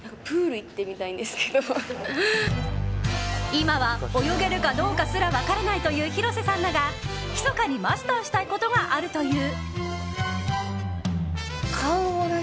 今は泳げるかどうかすら分からないという広瀬さんだがひそかにマスターしたいことがあるという。